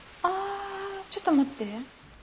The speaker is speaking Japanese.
あちょっと待って。